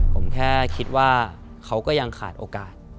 ผมแค่คิดว่าเขาก็ยังขาดโอกาส